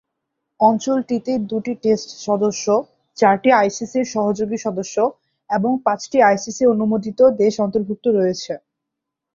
অঞ্চলটিতে দুটি টেস্ট সদস্য, চারটি আইসিসির সহযোগী সদস্য এবং পাঁচটি আইসিসি অনুমোদিত দেশ অন্তর্ভুক্ত রয়েছে।